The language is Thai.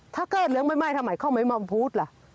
ถ้าเกิดเรื่องไม่ไหม้ทำไมเขาไม่มาพูดล่ะ